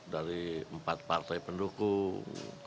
dari empat partai pendukung